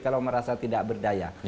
kalau merasa tidak berdaya